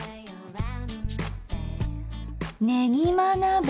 「ねぎま鍋」。